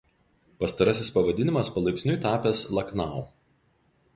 Pastarasis pavadinimas palaipsniui tapęs Laknau.